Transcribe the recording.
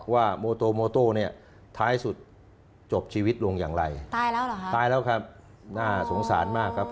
ว่าโมโตโมโต้เนี่ยท้ายสุดจบชีวิตลงอย่างไรตายแล้วเหรอฮะตายแล้วครับน่าสงสารมากครับ